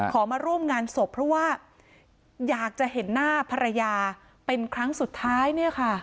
มาร่วมงานศพเพราะว่าอยากจะเห็นหน้าภรรยาเป็นครั้งสุดท้ายเนี่ยค่ะ